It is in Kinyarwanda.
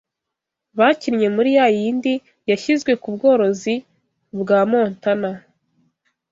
bakinnye muri yayindi yashyizwe ku bworozi bwa Montana